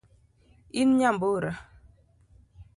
In nyambura